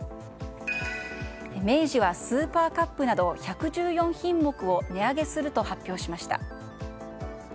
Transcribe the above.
明治はスーパーカップなど１１４品目を値上げすると発表しました。